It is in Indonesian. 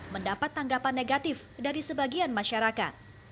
mendapat tanggapan negatif dari sebagian masyarakat